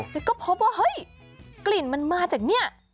แล้วก็พบว่าเฮ้ยกลิ่นมันมาจากเนี่ย